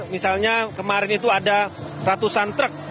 misalnya kemarin itu ada ratusan truk